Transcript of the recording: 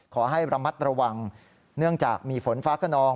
ขอให้ระมัดระวังเนื่องจากมีฝนฟ้าขนอง